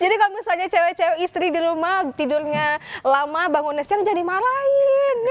jadi kalau misalnya cewek cewek istri di rumah tidurnya lama bangun es jam jadi malahin